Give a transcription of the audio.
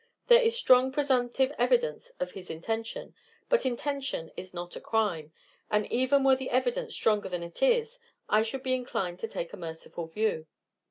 There is strong presumptive evidence of his intention, but intention is not a crime, and even were the evidence stronger than it is, I should be inclined to take a merciful view.